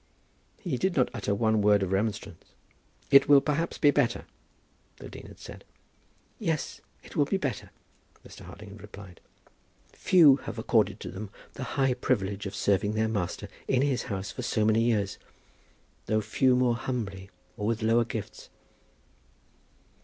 He did not utter one word of remonstrance. "It will perhaps be better," the dean had said. "Yes, it will be better," Mr. Harding had replied. "Few have had accorded to them the high privilege of serving their Master in His house for so many years, though few more humbly, or with lower gifts."